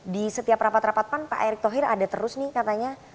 di setiap rapat rapat pan pak erick thohir ada terus nih katanya